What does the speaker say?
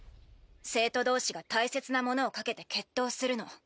生徒同士が大切なものを賭けて決闘するの。